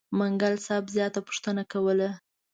منګل صاحب زیاته پوښتنه کوله.